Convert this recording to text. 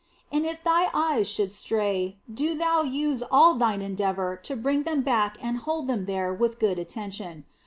And if thine eyes should stray, do thou use all thine endeavour to bring them back and hold them there with good attention.